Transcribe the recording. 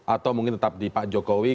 atau mungkin tetap di pak jokowi